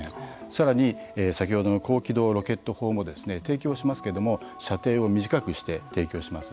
さらに先ほどの高機動ロケット砲も提供しますけれども射程を短くして提供します。